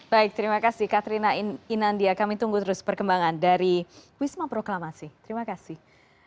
baik terima kasih katrina inandia kami tunggu terus perkembangan dari wisma proklamasi terima kasih